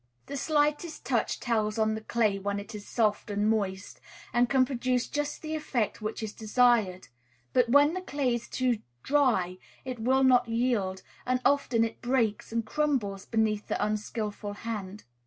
The slightest touch tells on the clay when it is soft and moist, and can produce just the effect which is desired; but when the clay is too dry it will not yield, and often it breaks and crumbles beneath the unskilful hand.